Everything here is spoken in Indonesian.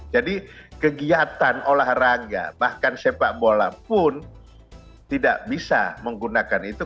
jadi kegiatan olahraga bahkan sepak bola pun tidak bisa menggunakan itu